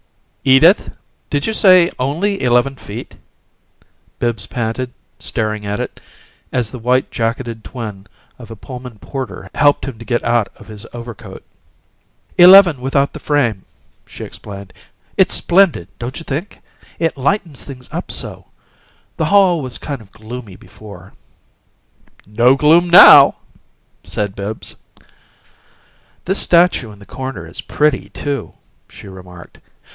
"Edith, did you say only eleven feet?" Bibbs panted, staring at it, as the white jacketed twin of a Pullman porter helped him to get out of his overcoat. "Eleven without the frame," she explained. "It's splendid, don't you think? It lightens things up so. The hall was kind of gloomy before." "No gloom now!" said Bibbs. "This statue in the corner is pretty, too," she remarked.